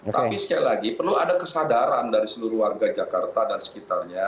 tapi sekali lagi perlu ada kesadaran dari seluruh warga jakarta dan sekitarnya